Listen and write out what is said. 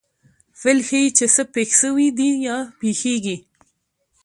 فعل ښيي، چي څه پېښ سوي دي یا پېښېږي.